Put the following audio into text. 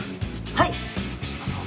はい。